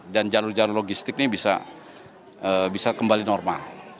dan jalur jalur logistik ini bisa kembali normal